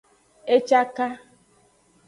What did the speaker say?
E caka.